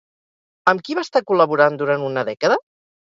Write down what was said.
Amb qui va estar col·laborant durant una dècada?